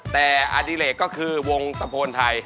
แต่อดิเลกก็คือวงตะโพนไทย